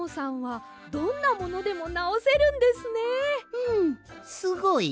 うんすごい？